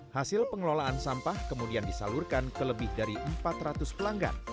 hasil pengelolaan sampah kemudian disalurkan ke lebih dari empat ratus pelanggan